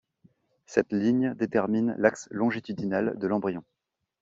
Cette ligne détermine l'axe longitudinal de l'embryon.